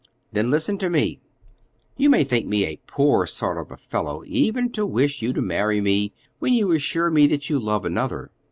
"Then listen to me. You may think me a poor sort of a fellow even to wish you to marry me when you assure me that you love another.